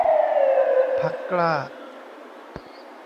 พรรคกล้า